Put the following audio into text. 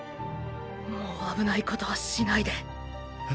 もう危ないことはしないで。